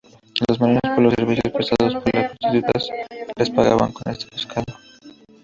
Los marinos por los servicios prestados por las prostitutas, les pagaban con este pescado.